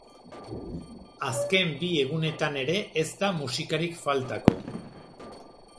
Azken bi egunetan ere ez da musikarik faltako.